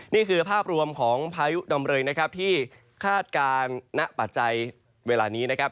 นี่คือภาพรวมของพายุดำเรยนะครับที่คาดการณ์ณปัจจัยเวลานี้นะครับ